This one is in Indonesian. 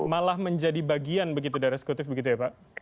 malah menjadi bagian begitu dari eksekutif begitu ya pak